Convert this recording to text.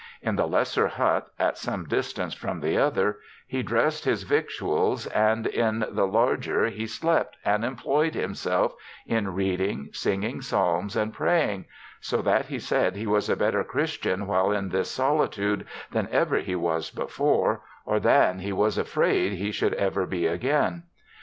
In the lesser hut, at some distance from the other, he dressed his victuals, and in the larger he slept, and employed himself in reading, singing Psalms, and praying, so that he said he was a better Christian while in this solitude, than ever he was before, or than he was afraid he should ever be again.